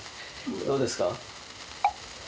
どうですか？